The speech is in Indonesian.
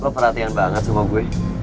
lo perhatian banget sama gue